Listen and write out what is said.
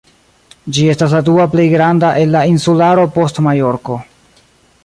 Ĝi estas la dua plej granda el la insularo post Majorko.